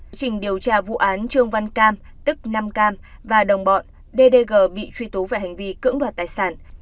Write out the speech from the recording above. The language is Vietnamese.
quá trình điều tra vụ án trương văn cam tức nam cam và đồng bọn ddg bị truy tố về hành vi cưỡng đoạt tài sản